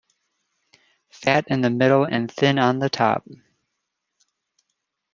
Fat in the middle and thin on the top.